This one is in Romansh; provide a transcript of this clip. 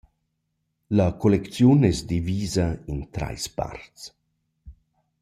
La collecziun es divisa in trais parts.